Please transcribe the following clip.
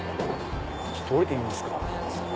ちょっと降りてみますか。